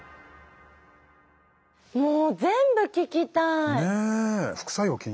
もう全部聞きたい！ね！